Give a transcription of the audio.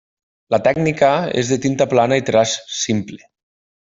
La tècnica és de tinta plana i traç simple.